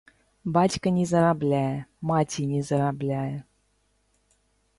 Бацька не зарабляе, маці не зарабляе.